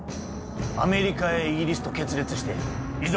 アメリカやイギリスと決裂していざ